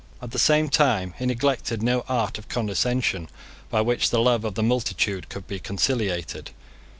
At the same time he neglected no art of condescension by which the love of the multitude could be conciliated.